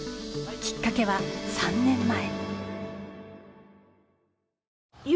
きっかけは３年前。